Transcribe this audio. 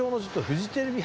フジテレビ？